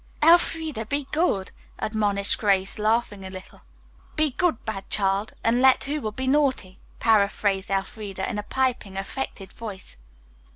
"Elfreda, be good," admonished Grace, laughing a little. "Be good, bad child, and let who will be naughty," paraphrased Elfreda in a piping, affected voice.